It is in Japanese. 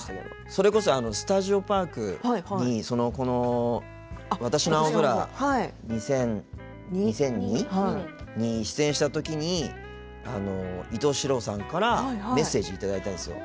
それこそ「スタジオパーク」に「私の青空２００２」に出演したときに伊東四朗さんからメッセージいただいたんですよ。